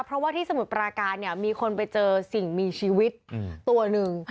เพราะว่าที่สมุทรปราการเนี่ยมีคนไปเจอสิ่งมีชีวิตตัวหนึ่ง